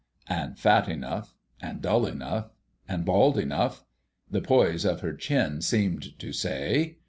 And fat enough and dull enough and bald enough the poise of her chin seemed to say.